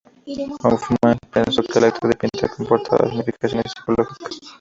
Hofmann pensó que el acto de pintar comportaba significaciones psicológicas.